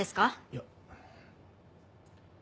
いや。